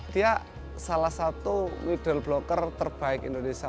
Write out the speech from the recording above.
dia salah satu middle blocker terbaik indonesia